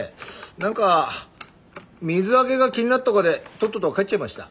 何か水揚げが気になっとがでとっとと帰っちゃいました。